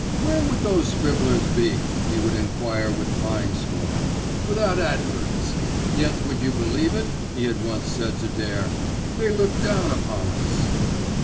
"Where would those scribblers be," he would enquire with fine scorn, "without adverts.? Yet would you believe it," he had once said to Dare, "they look down upon us?"